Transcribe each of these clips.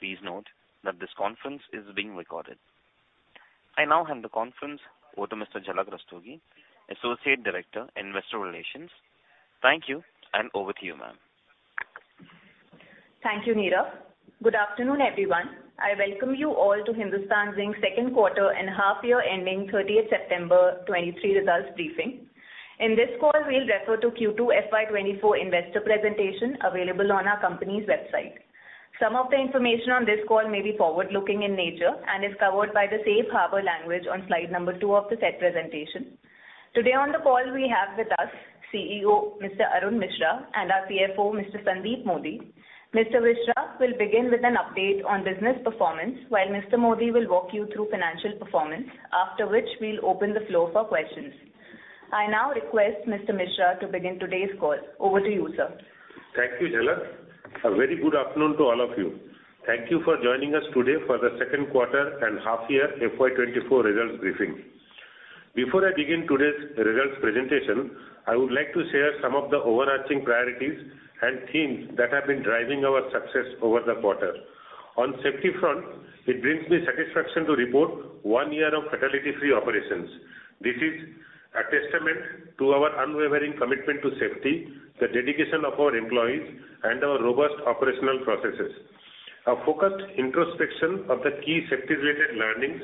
Please note that this conference is being recorded. I now hand the conference over to Ms. Jhalak Rastogi, Associate Director, Investor Relations. Thank you, and over to you, ma'am. Thank you, Neeraj. Good afternoon, everyone. I welcome you all to Hindustan Zinc's second quarter and half year, ending 30th September 2023 results briefing. In this call, we'll refer to Q2 FY 2024 investor presentation, available on our company's website. Some of the information on this call may be forward-looking in nature and is covered by the safe harbor language on slide number two of the said presentation. Today, on the call we have with us CEO, Mr. Arun Misra, and our CFO, Mr. Sandeep Modi. Mr. Misra will begin with an update on business performance, while Mr. Modi will walk you through financial performance, after which we'll open the floor for questions. I now request Mr. Misra to begin today's call. Over to you, sir. Thank you, Jhalak. A very good afternoon to all of you. Thank you for joining us today for the second quarter and half year FY 2024 results briefing. Before I begin today's results presentation, I would like to share some of the overarching priorities and themes that have been driving our success over the quarter. On safety front, it brings me satisfaction to report one year of fatality-free operations. This is a testament to our unwavering commitment to safety, the dedication of our employees, and our robust operational processes. A focused introspection of the key safety-related learnings,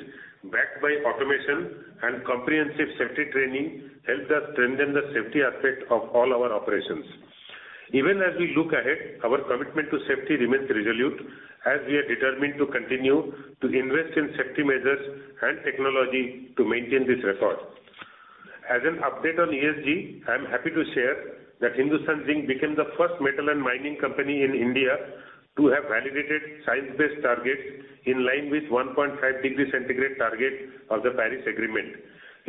backed by automation and comprehensive safety training, helped us strengthen the safety aspect of all our operations. Even as we look ahead, our commitment to safety remains resolute, as we are determined to continue to invest in safety measures and technology to maintain this record. As an update on ESG, I am happy to share that Hindustan Zinc became the first metal and mining company in India to have validated science-based targets in line with 1.5-degree centigrade target of the Paris Agreement.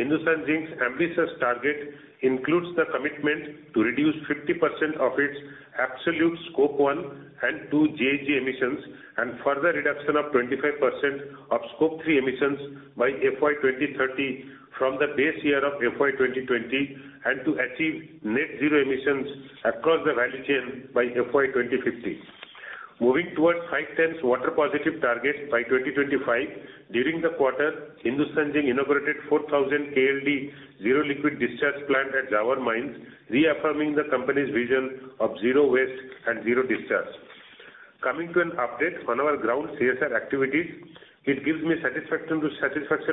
Hindustan Zinc's ambitious target includes the commitment to reduce 50% of its absolute Scope 1 and 2 GHG emissions, and further reduction of 25% of Scope 3 emissions by FY 2030, from the base year of FY 2020, and to achieve net zero emissions across the value chain by FY 2050. Moving towards 5x water positive target by 2025, during the quarter, Hindustan Zinc inaugurated 4,000 KLD Zero Liquid Discharge plant at Zawar Mines, reaffirming the company's vision of zero waste and zero discharge. Coming to an update on our ground CSR activities, it gives me satisfaction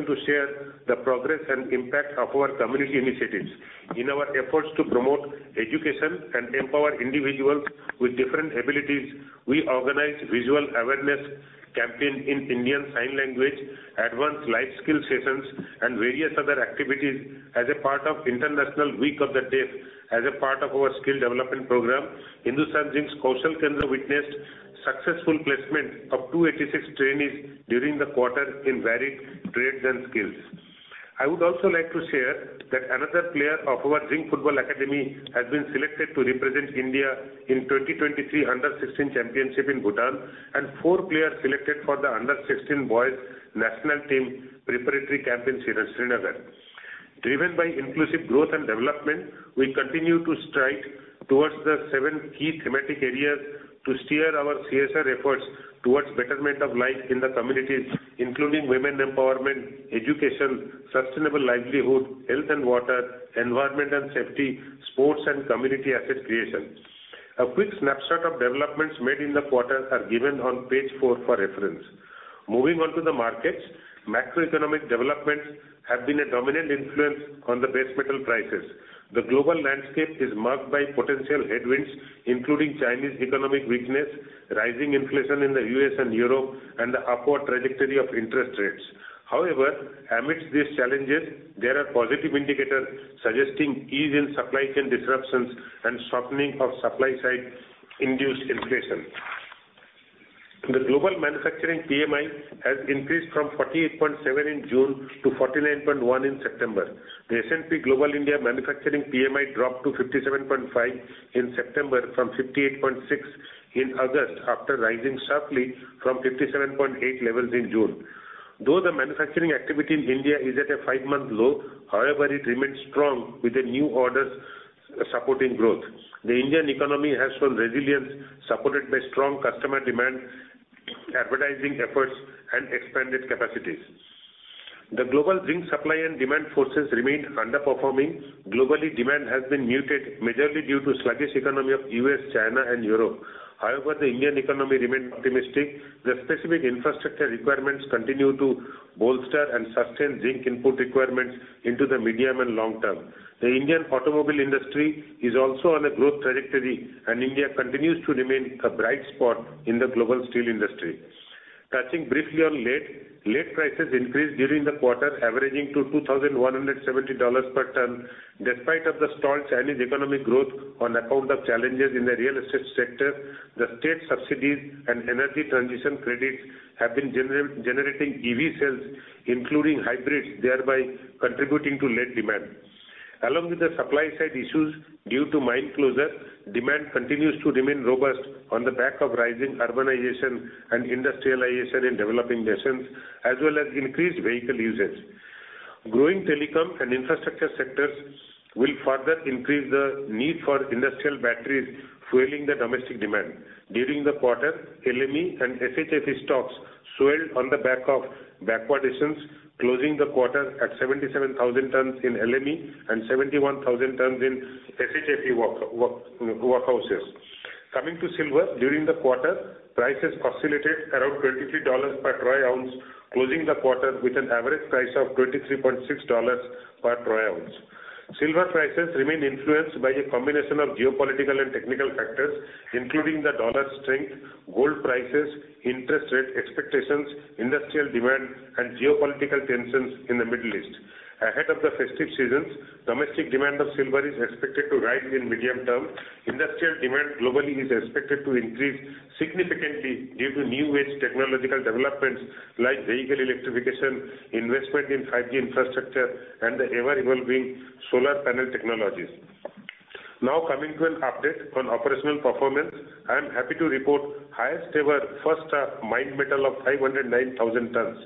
to share the progress and impact of our community initiatives. In our efforts to promote education and empower individuals with different abilities, we organized visual awareness campaign in Indian Sign Language, advanced life skill sessions, and various other activities as a part of International Week of the Deaf. As a part of our skill development program, Hindustan Zinc's Kaushal Kendra witnessed successful placement of 286 trainees during the quarter in varied trades and skills. I would also like to share that another player of our Zinc Football Academy has been selected to represent India in 2023 Under-16 Championship in Bhutan, and four players selected for the Under-16 Boys National Team preparatory camp in Srinagar. Driven by inclusive growth and development, we continue to stride towards the seven key thematic areas to steer our CSR efforts towards betterment of life in the communities, including women empowerment, education, sustainable livelihood, health and water, environment and safety, sports, and community asset creation. A quick snapshot of developments made in the quarter are given on page four for reference. Moving on to the markets, macroeconomic developments have been a dominant influence on the base metal prices. The global landscape is marked by potential headwinds, including Chinese economic weakness, rising inflation in the U.S. and Europe, and the upward trajectory of interest rates. However, amidst these challenges, there are positive indicators suggesting ease in supply chain disruptions and softening of supply-side-induced inflation. The global manufacturing PMI has increased from 48.7 in June to 49.1 in September. The S&P Global India Manufacturing PMI dropped to 57.5 in September, from 58.6 in August, after rising sharply from 57.8 levels in June. Though the manufacturing activity in India is at a five month low, however, it remains strong, with the new orders supporting growth. The Indian economy has shown resilience, supported by strong customer demand, advertising efforts, and expanded capacities. The global Zinc supply and demand forces remained underperforming. Globally, demand has been muted, majorly due to sluggish economy of U.S., China and Europe. However, the Indian economy remained optimistic. The specific infrastructure requirements continue to bolster and sustain Zinc input requirements into the medium and long term. The Indian automobile industry is also on a growth trajectory, and India continues to remain a bright spot in the global steel industry. Touching briefly on Lead. Lead prices increased during the quarter, averaging to $2,170 per ton. Despite of the stalled Chinese economic growth on account of challenges in the real estate sector, the state subsidies and energy transition credits have been generating E.V. sales, including hybrids, thereby contributing to lead demand. Along with the supply-side issues due to mine closure, demand continues to remain robust on the back of rising urbanization and industrialization in developing nations, as well as increased vehicle usage. Growing telecom and infrastructure sectors will further increase the need for industrial batteries, fueling the domestic demand. During the quarter, LME and SHFE stocks swelled on the back of backwardations, closing the quarter at 77,000 tons in LME and 71,000 tons in SHFE warehouses. Coming to silver, during the quarter, prices oscillated around $23 per troy ounce, closing the quarter with an average price of $23.6 per troy ounce. Silver prices remain influenced by a combination of geopolitical and technical factors, including the dollar strength, gold prices, interest rate expectations, industrial demand, and geopolitical tensions in the Middle East. Ahead of the festive seasons, domestic demand of silver is expected to rise in medium term. Industrial demand globally is expected to increase significantly due to new-age technological developments like vehicle electrification, investment in 5G infrastructure, and the ever-evolving solar panel technologies. Now, coming to an update on operational performance, I am happy to report highest-ever first-half mined metal of 509,000 tons.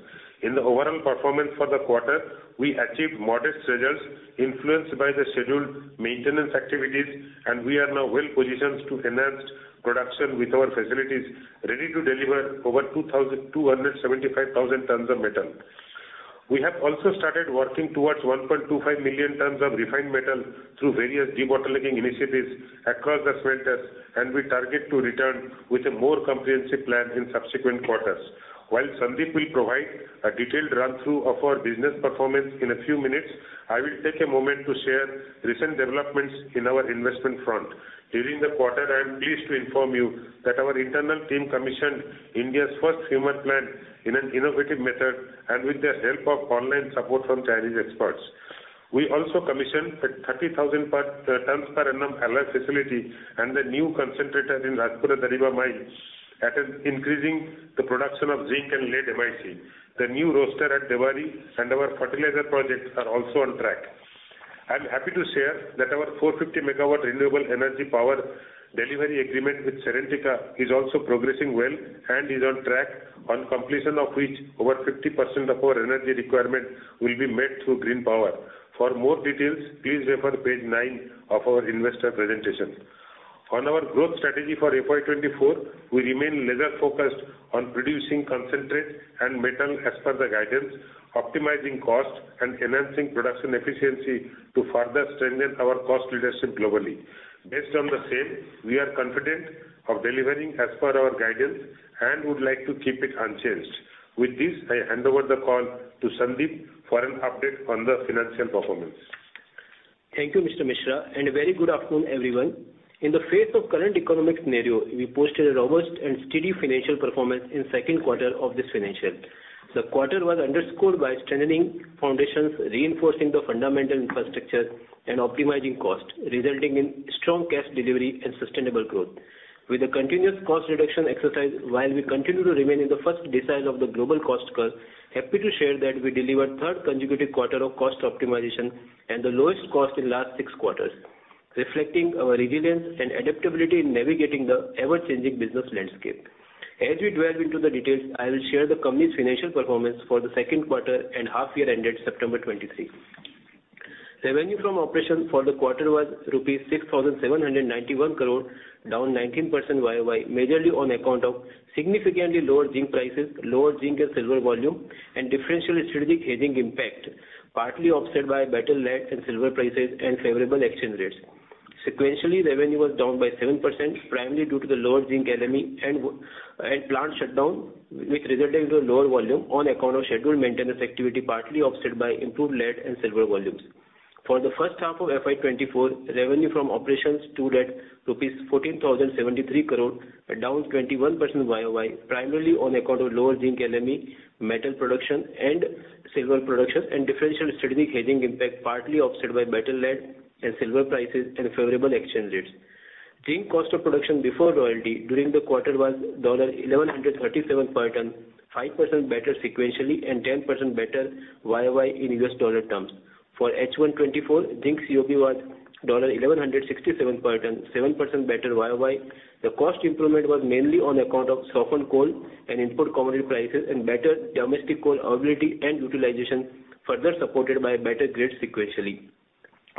In the overall performance for the quarter, we achieved modest results influenced by the scheduled maintenance activities, and we are now well positioned to enhance production with our facilities ready to deliver over 275,000 tons of metal. We have also started working towards 1.25 million tons of refined metal through various debottlenecking initiatives across the smelters, and we target to return with a more comprehensive plan in subsequent quarters. While Sandeep will provide a detailed run-through of our business performance in a few minutes, I will take a moment to share recent developments in our investment front. During the quarter, I am pleased to inform you that our internal team commissioned India's first fumer plant in an innovative method and with the help of online support from Chinese experts. We also commissioned a 30,000 tons per annum alloy facility and a new concentrator in Rajpura Dariba mine, increasing the production of zinc and lead MIC. The new roaster at Debari and our fertilizer projects are also on track. I'm happy to share that our 450 MW renewable energy power delivery agreement with Serentica is also progressing well and is on track, on completion of which over 50% of our energy requirement will be met through green power. For more details, please refer to page nine of our investor presentation. On our growth strategy for FY 2024, we remain laser-focused on producing concentrate and metal as per the guidance, optimizing costs, and enhancing production efficiency to further strengthen our cost leadership globally. Based on the same, we are confident of delivering as per our guidance and would like to keep it unchanged. With this, I hand over the call to Sandeep for an update on the financial performance. Thank you, Mr. Misra, and a very good afternoon, everyone. In the face of current economic scenario, we posted a robust and steady financial performance in second quarter of this financial. The quarter was underscored by strengthening foundations, reinforcing the fundamental infrastructure, and optimizing cost, resulting in strong cash delivery and sustainable growth. With a continuous cost reduction exercise, while we continue to remain in the first decile of the global cost curve, happy to share that we delivered third consecutive quarter of cost optimization and the lowest cost in last six quarters, reflecting our resilience and adaptability in navigating the ever-changing business landscape. As we delve into the details, I will share the company's financial performance for the second quarter and half-year ended September 2023. Revenue from operations for the quarter was 6,791 crore rupees, down 19% YOY, majorly on account of significantly lower zinc prices, lower zinc and silver volume, and differential strategic hedging impact, partly offset by better lead and silver prices and favorable exchange rates. Sequentially, revenue was down by 7%, primarily due to the lower zinc LME and plant shutdown, which resulted into a lower volume on account of scheduled maintenance activity, partly offset by improved lead and silver volumes. For the first half of FY 2024, revenue from operations stood at rupees 14,073 crore, down 21% YOY, primarily on account of lower zinc LME, metal production, and silver production, and differential strategic hedging impact, partly offset by better lead and silver prices and favorable exchange rates. Zinc cost of production before royalty during the quarter was $1,137 per ton, 5% better sequentially and 10% better YOY in U.S. dollar terms. For H1 2024, zinc COP was $1,167 per ton, 7% better YOY. The cost improvement was mainly on account of softened coal and import commodity prices and better domestic coal availability and utilization, further supported by better grades sequentially.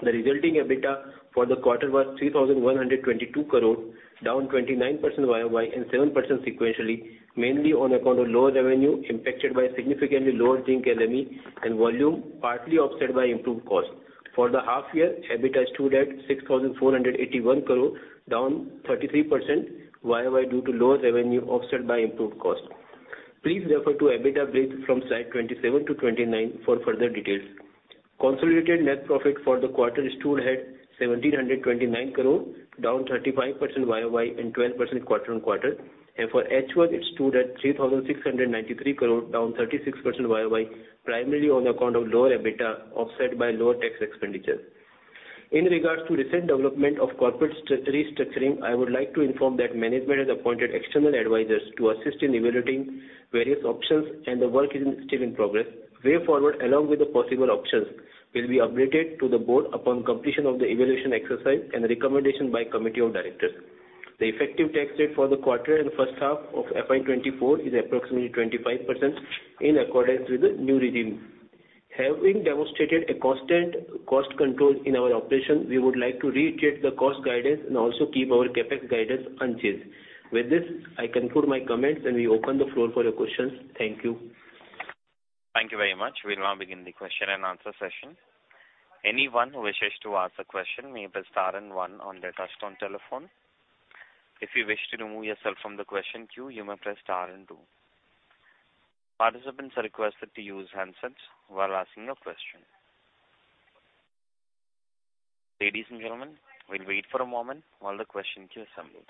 The resulting EBITDA for the quarter was 3,122 crore, down 29% YOY and 7% sequentially, mainly on account of lower revenue impacted by significantly lower zinc LME and volume, partly offset by improved cost. For the half year, EBITDA stood at 6,481 crore, down 33% YOY, due to lower revenue offset by improved cost. Please refer to EBITDA brief from slide 27-29 for further details. Consolidated net profit for the quarter stood at 1,729 crore, down 35% YOY and 12% quarter-on-quarter. For H1, it stood at 3,693 crore, down 36% YOY, primarily on account of lower EBITDA, offset by lower tax expenditure. In regards to recent development of corporate restructuring, I would like to inform that management has appointed external advisors to assist in evaluating various options, and the work is still in progress. Way forward, along with the possible options, will be updated to the Board upon completion of the evaluation exercise and recommendation by Committee of Directors. The effective tax rate for the quarter and the first half of FY 2024 is approximately 25% in accordance with the new regime. Having demonstrated a constant cost control in our operation, we would like to reiterate the cost guidance and also keep our CapEx guidance unchanged. With this, I conclude my comments, and we open the floor for your questions. Thank you. Thank you very much. We'll now begin the question and answer session. Anyone who wishes to ask a question may press star and one on their touch-tone telephone. If you wish to remove yourself from the question queue, you may press star and two. Participants are requested to use handsets while asking a question. Ladies and gentlemen, we'll wait for a moment while the question queue assembles.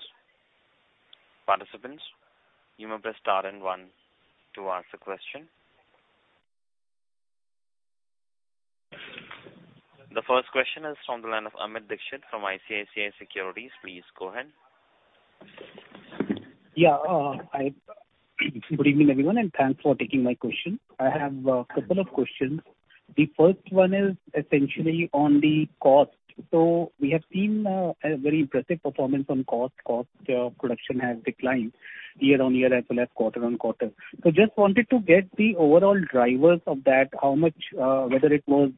Participants, you may press star and one to ask a question. The first question is from the line of Amit Dixit from ICICI Securities. Please go ahead. Yeah, good evening, everyone, and thanks for taking my question. I have a couple of questions. The first one is essentially on the cost. We have seen a very impressive performance on cost. Cost of production has declined year-on-year as well as quarter-on-quarter. Just wanted to get the overall drivers of that, how much, whether it was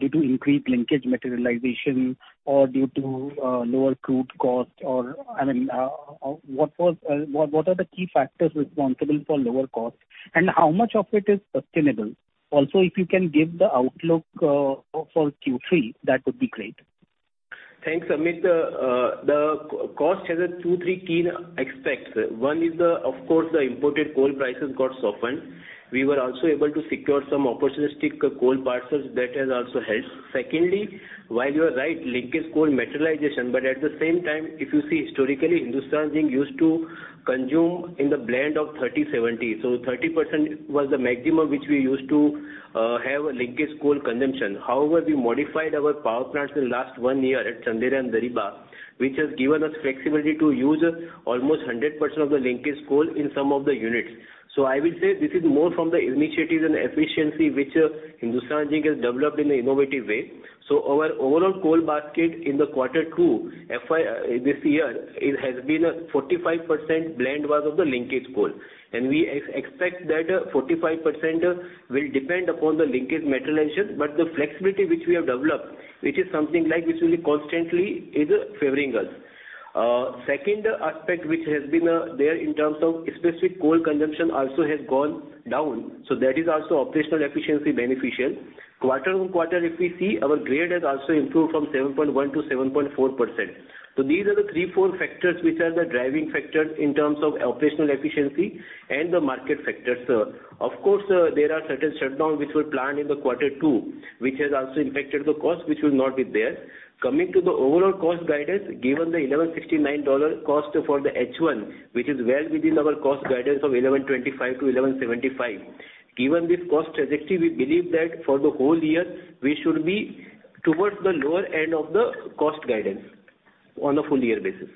due to increased linkage materialization or due to lower crude cost or, I mean, what are the key factors responsible for lower cost, and how much of it is sustainable? Also, if you can give the outlook for Q3, that would be great. Thanks, Amit. The cost has two, three key aspects. One is, of course, the imported coal prices got softened. We were also able to secure some opportunistic coal parcels. That has also helped. Secondly, while you are right, linkage coal materialization, but at the same time, if you see historically, Hindustan Zinc used to consume in the blend of 30/70. 30% was the maximum which we used to have a linkage coal consumption. However, we modified our power plants in the last one year at Chanderia and Dariba, which has given us flexibility to use almost 100% of the linkage coal in some of the units. I will say this is more from the initiatives and efficiency which Hindustan Zinc has developed in an innovative way. Our overall coal basket in the quarter two, FY this year, it has been a 45% blend was of the linkage coal. We expect that 45% will depend upon the linkage materialization, but the flexibility which we have developed, which is something like, which will be constantly is favoring us. Second aspect, which has been there in terms of specific coal consumption also has gone down, so that is also operational efficiency beneficial. Quarter-over-quarter, if we see, our grade has also improved from 7.1%-7.4%. These are the three, four factors which are the driving factors in terms of operational efficiency and the market factors. Of course, there are certain shutdowns which were planned in the quarter two, which has also impacted the cost, which will not be there. Coming to the overall cost guidance, given the $1,169 cost for the H1, which is well within our cost guidance of $1,125-$1,175. Given this cost trajectory, we believe that for the whole year, we should be towards the lower end of the cost guidance on a full year basis.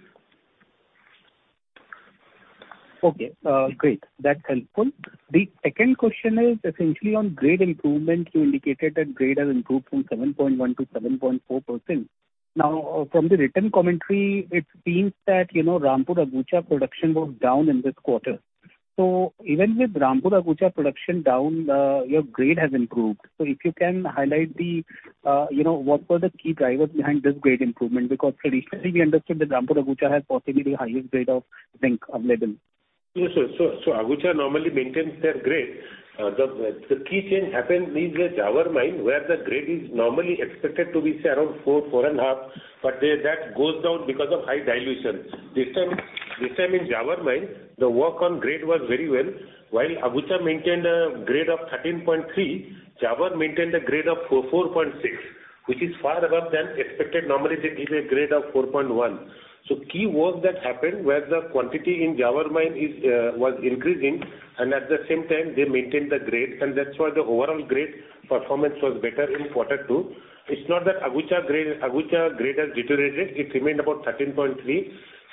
Okay, great. That's helpful. The second question is essentially on grade improvement. You indicated that grade has improved from 7.1%-7.4%. Now, from the written commentary, it seems that, you know, Rampura Agucha production was down in this quarter. Even with Rampura Agucha production down, your grade has improved. If you can highlight the, you know, what were the key drivers behind this grade improvement? Because traditionally, we understood that Rampura Agucha has possibly the highest grade of zinc available. Yes, Agucha normally maintains their grade. The key change happened in the Zawar mine, where the grade is normally expected to be, say, around four to four and a half, but that goes down because of high dilution. This time in Zawar mine, the work on grade was very well. While Agucha maintained a grade of 13.3, Zawar maintained a grade of 4.6, which is far above than expected. Normally, it is a grade of 4.1. Key work that happened, where the quantity in Zawar mine was increasing, and at the same time, they maintained the grade, and that's why the overall grade performance was better in quarter two. It's not that Agucha grade has deteriorated. It remained about 13.3.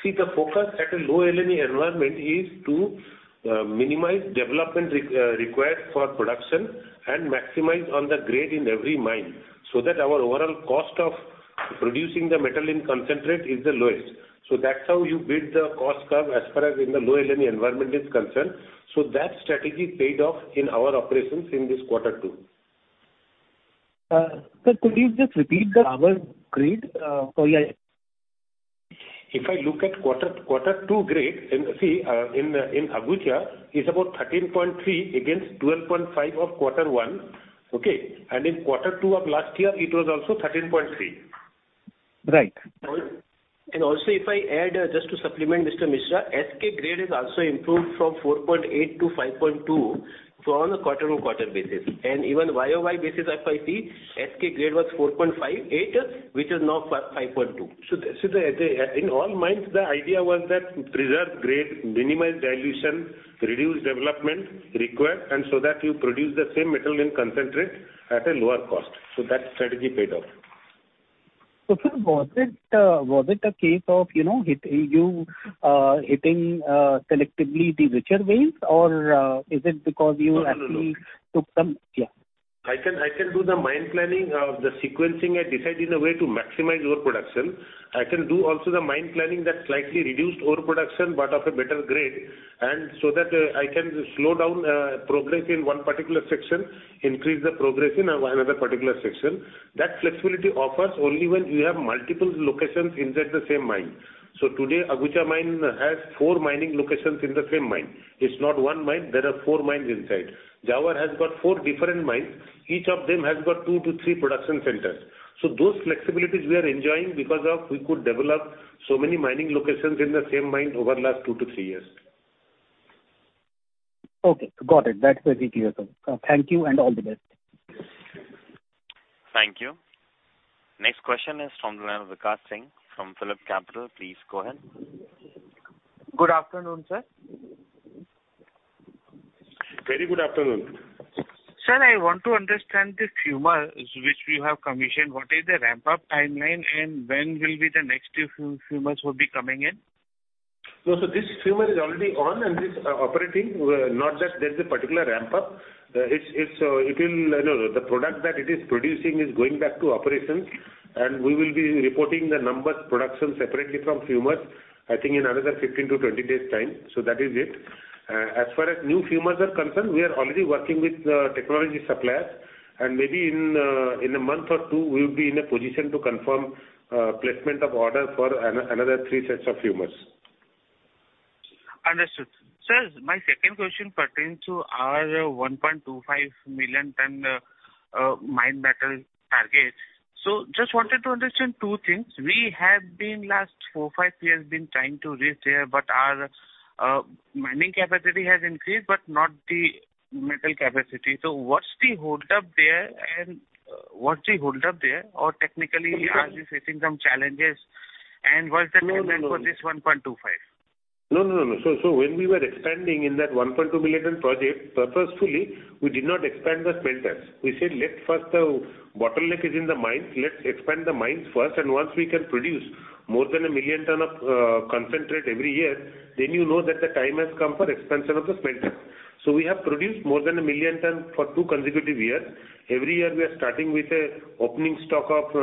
See, the focus at a low LME environment is to minimize development required for production and maximize on the grade in every mine, so that our overall cost of producing the Metal in Concentrate is the lowest. That's how you build the cost curve as far as in the low LME environment is concerned. That strategy paid off in our operations in this quarter two. Sir, could you just repeat the Zawar grade so I- If I look at quarter two grade and see in Agucha, it's about 13.3 against 12.5 of quarter one, okay? In quarter two of last year, it was also 13.3. Right. Also, if I add, just to supplement Mr. Misra, SK grade has also improved from 4.8-5.2, so on a quarter-on-quarter basis. Even YOY basis, if I see, SK grade was 4.58, which is now 5.2. In all mines, the idea was that preserve grade, minimize dilution, reduce development required, and so that you produce the same Metal in Concentrate at a lower cost. That strategy paid off. Sir, was it a case of, you know, you hitting selectively the richer veins, or is it because you actually- No, no, no. Took some. Yeah. I can do the mine planning of the sequencing I decide in a way to maximize ore production. I can do also the mine planning that slightly reduced ore production, but of a better grade, and so that I can slow down progress in one particular section, increase the progress in another particular section. That flexibility offers only when you have multiple locations inside the same mine. Today, Agucha Mine has four mining locations in the same mine. It's not one mine, there are four mines inside. Zawar has got 4 different mines, each of them has got two to three production centers. Those flexibilities we are enjoying because of we could develop so many mining locations in the same mine over the last two to three years. Okay, got it. That's very clear, sir. Thank you, and all the best. Thank you. Next question is from the line of Vikas Singh from PhillipCapital. Please go ahead. Good afternoon, sir. Very good afternoon. Sir, I want to understand the fumer which we have commissioned. What is the ramp-up timeline, and when will be the next few fumers will be coming in? No, this fumer is already on and is operating. Not that there's a particular ramp-up. No, no, the product that it is producing is going back to operations, and we will be reporting the numbers production separately from fumer, I think in another 15-20 days' time. That is it. As far as new fumers are concerned, we are already working with technology suppliers, and maybe in a month or two, we will be in a position to confirm placement of order for another three sets of fumers. Understood. Sir, my second question pertains to our 1.25 million ton mine metal target. Just wanted to understand two things. We have been last four-five years been trying to reach there, but our mining capacity has increased, but not the metal capacity. What's the holdup there, and what's the holdup there? Technically, are we facing some challenges, and what's the timeline for this 1.25? No, no, no. When we were expanding in that 1.2 million project, purposefully, we did not expand the smelters. We said, "Let first bottleneck is in the mines. Let's expand the mines first, and once we can produce more than 1 million ton of concentrate every year, then you know that the time has come for expansion of the smelter." We have produced more than 1 million ton for two consecutive years. Every year, we are starting with a opening stock of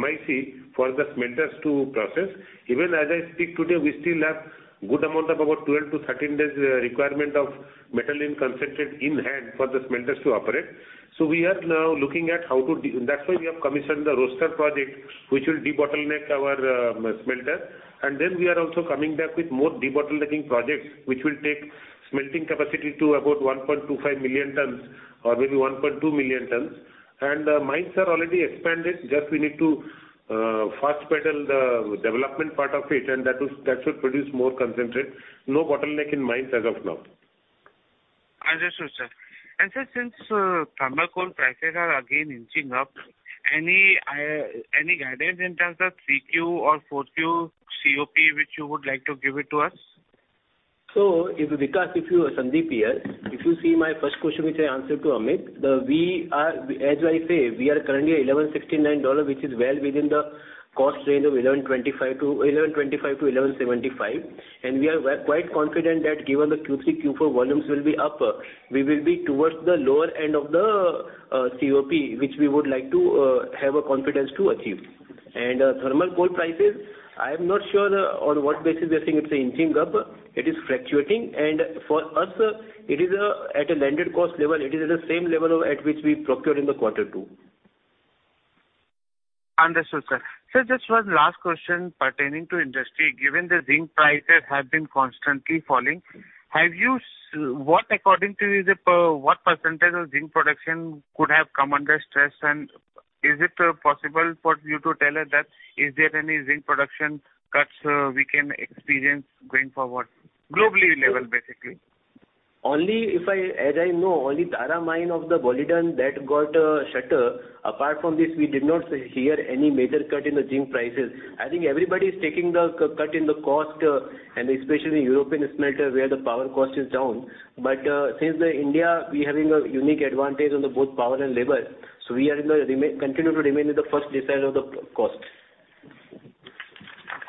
MIC for the smelters to process. Even as I speak today, we still have good amount of about 12-13 days requirement of metal in concentrate in hand for the smelters to operate. That's why we have commissioned the roaster project, which will debottleneck our smelter. We are also coming back with more debottlenecking projects, which will take smelting capacity to about 1.25 million tons or maybe 1.2 million tons. Mines are already expanded. Just we need to fast-pedal the development part of it, and that will, that should produce more concentrate. No bottleneck in mines as of now. Understood, sir. Sir, since thermal coal prices are again inching up, any guidance in terms of 3Q or 4Q COP, which you would like to give it to us? If Vikas, if you, Sandeep here, if you see my first question, which I answered to Amit, we are, as I say, we are currently at $1,169, which is well within the cost range of $1,125-$1,175. We are quite confident that given the Q3, Q4 volumes will be up, we will be towards the lower end of the COP, which we would like to have a confidence to achieve. Thermal coal prices, I am not sure on what basis we are saying it's inching up. It is fluctuating, and for us, it is at a landed cost level, it is at the same level at which we procure in quarter two. Understood, sir. Sir, just one last question pertaining to industry. Given the Zinc prices have been constantly falling, what, according to you, what % of Zinc production could have come under stress? Is it possible for you to tell us that is there any Zinc production cuts we can experience going forward? Globally level, basically. As I know, only Tara Mine of the Boliden that got shutter. Apart from this, we did not hear any major cut in the zinc prices. I think everybody is taking the cut in the cost and especially European smelter, where the power cost is down. Since the India, we're having a unique advantage on the both power and labor, so we continue to remain in the first decile of the cost.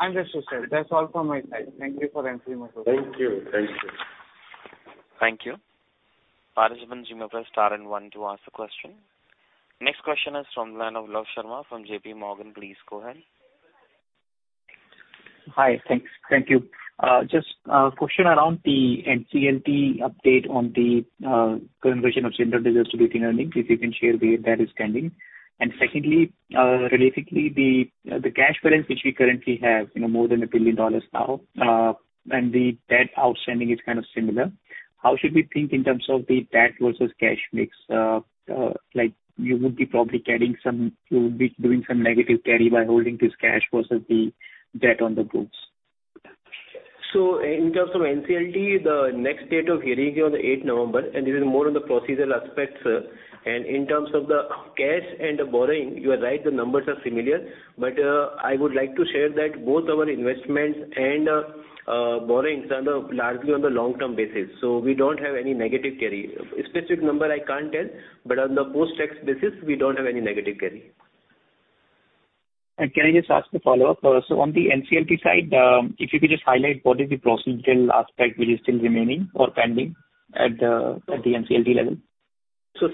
Understood, sir. That's all from my side. Thank you for answering my questions. Thank you. Thank you. Thank you. Participant, you may press star and one to ask the question. Next question is from the line of Love Sharma from JPMorgan. Please go ahead. Hi. Thanks. Thank you. Just question around the NCLT update on the conversion of general reserve to retained earnings, if you can share where that is standing. Secondly, realistically, the cash balance which we currently have, you know, more than $1 billion now, and the debt outstanding is kind of similar. How should we think in terms of the debt versus cash mix? Like, you would be probably carrying some, you would be doing some negative carry by holding this cash versus the debt on the books. In terms of NCLT, the next date of hearing is on the eighth November, and this is more on the procedural aspects. In terms of the cash and the borrowing, you are right, the numbers are similar, but I would like to share that both our investments and borrowings are largely on the long-term basis. We don't have any negative carry. Specific number I can't tell, but on the post-tax basis, we don't have any negative carry. Can I just ask a follow-up? On the NCLT side, if you could just highlight what is the procedural aspect which is still remaining or pending at the NCLT level?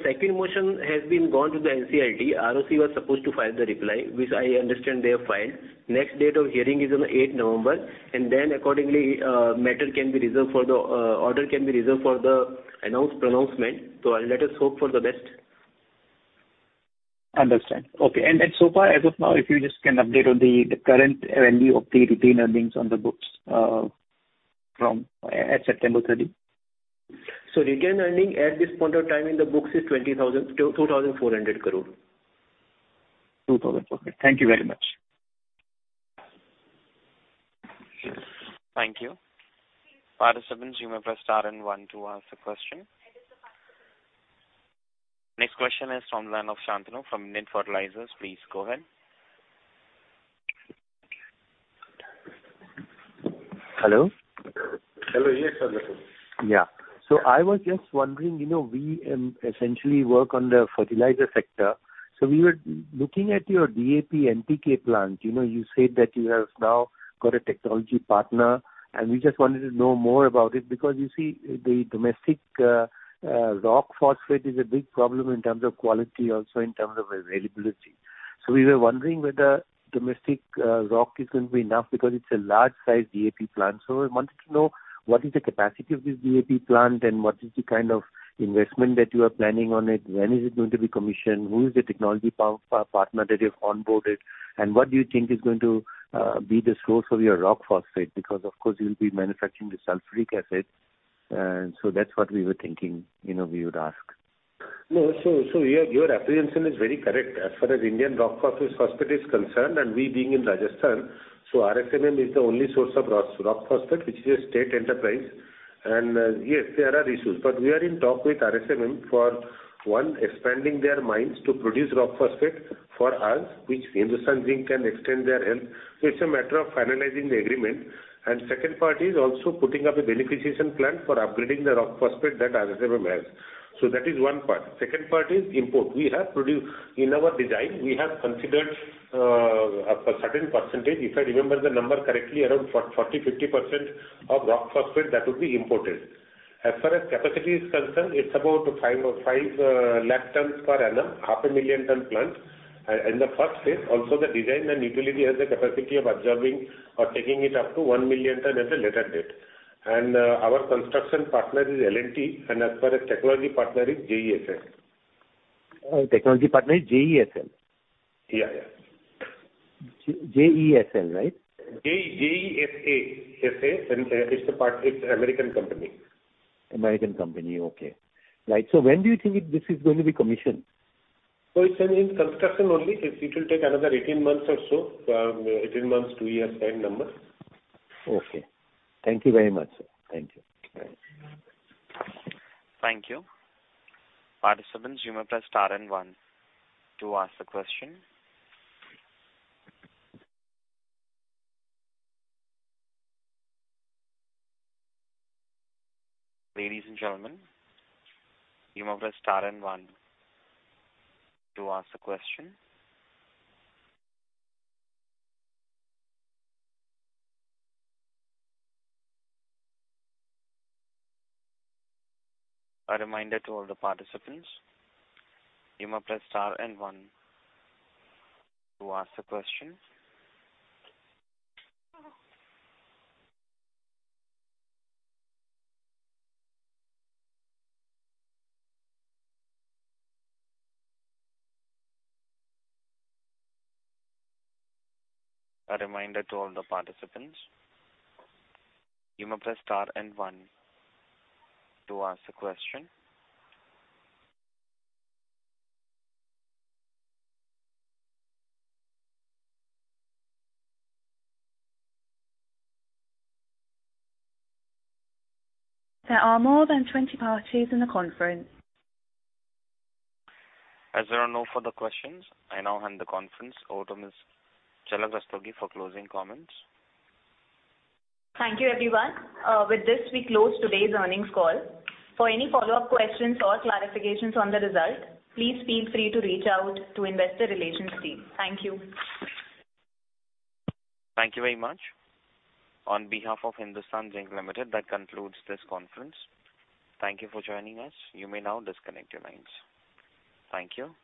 Second motion has been gone to the NCLT. ROC was supposed to file the reply, which I understand they have filed. Next date of hearing is on the 8th November, and then accordingly, order can be reserved for the announced pronouncement. Let us hope for the best. Understand. Okay. So far, as of now, if you just can update on the current value of the retained earnings on the books at September 30. Retained earning at this point of time in the books is 22,400 crore. 2,000. Okay, thank you very much. Thank you. Participants, you may press star and one to ask the question. Next question is from the line of Shantanu from Net Fertilizers. Please go ahead. Hello? Hello, yes, sir. Yeah. I was just wondering, you know, we essentially work on the fertilizer sector, so we were looking at your DAP-NPK plant. You know, you said that you have now got a technology partner, and we just wanted to know more about it. Because, you see, the domestic rock phosphate is a big problem in terms of quality, also in terms of availability. We were wondering whether domestic rock is going to be enough because it's a large size DAP plant. We wanted to know what is the capacity of this DAP plant and what is the kind of investment that you are planning on it? When is it going to be commissioned? Who is the technology partner that you've onboarded, and what do you think is going to be the source of your rock phosphate? Because, of course, you'll be manufacturing the sulfuric acid, and so that's what we were thinking, you know, we would ask. No, your apprehension is very correct. As far as Indian rock phosphate is concerned, and we being in Rajasthan, RSMM is the only source of rock phosphate, which is a state enterprise. Yes, there are issues, but we are in talk with RSMM for, one, expanding their mines to produce rock phosphate for us, which Hindustan Zinc can extend their help. It's a matter of finalizing the agreement. Second part is also putting up a beneficiation plant for upgrading the rock phosphate that RSMM has. That is one part. Second part is import. In our design, we have considered a certain percentage, if I remember the number correctly, around 40%-50% of rock phosphate that would be imported. As far as capacity is concerned, it's about 5 lakh tons per annum, half a million ton plant. In the first phase, also the design and utility has a capacity of absorbing or taking it up to 1 million ton at a later date. Our construction partner is L&T, and as far as technology partner is JESA. Technology partner is JESA? Yeah, yeah. J-JESL, right? JESA, S.A. It's an American company. American company, okay. Right, so when do you think this is going to be commissioned? It's in construction only. It will take another 18 months or so, 18 months, two years time number. Okay. Thank you very much, sir. Thank you. Bye. Thank you. Participants, you may press star and one to ask the question. Ladies and gentlemen, you may press star and one to ask the question. A reminder to all the participants, you may press star and one to ask the question. A reminder to all the participants, you may press star and one to ask the question. There are more than 20 parties in the conference. As there are no further questions, I now hand the conference over to Ms. Jhalak Rastogi for closing comments. Thank you, everyone. With this, we close today's earnings call. For any follow-up questions or clarifications on the results, please feel free to reach out to Investor Relations team. Thank you. Thank you very much. On behalf of Hindustan Zinc Limited, that concludes this conference. Thank you for joining us. You may now disconnect your lines. Thank you.